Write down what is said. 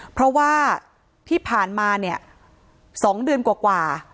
เพราะว่าที่ผ่านมาเนี่ย๒เดือนกว่า